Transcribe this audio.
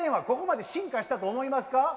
ここまで進化したと思いますか？